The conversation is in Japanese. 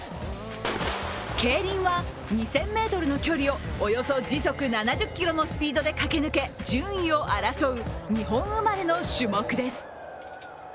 ケイリンは２０００ｍの距離をおよそ時速７０キロのスピードで駆け抜け順位を争う日本生まれの種目です。